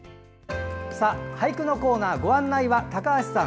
俳句のコーナーご案内は、高橋さん。